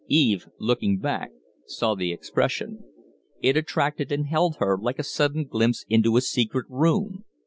Eve, looking back, saw the expression. It attracted and held her, like a sudden glimpse into a secret room.